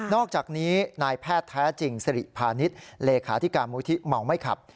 อกจากนี้นายแพทย์แท้จริงสิริพาณิชย์เลขาธิการมูลที่เมาไม่ขับ